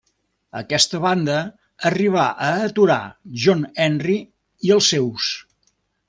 Aquesta banda arriba a aturar John Henry i els seus.